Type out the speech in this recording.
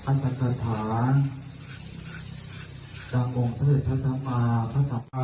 อันดับสถานจากวงเทศภาษาภาษาภาษา